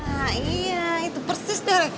ah iya itu persis deh